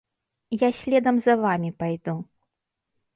Я следам за вамі пайду.